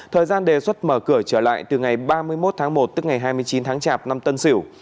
thời gian đề xuất mở cửa trở lại từ ngày ba mươi một tháng một tức ngày hai mươi chín tháng chạp năm tân sửu